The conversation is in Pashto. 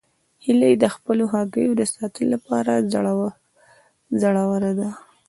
هیلۍ د خپلو هګیو د ساتلو لپاره زړوره ده